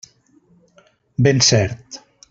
Ben cert.